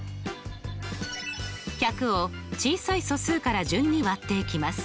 １００を小さい素数から順に割っていきます。